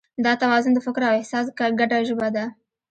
دا توازن د فکر او احساس ګډه ژبه ده.